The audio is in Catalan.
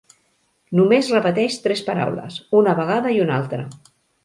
Només repeteix tres paraules, una vegada i una altra.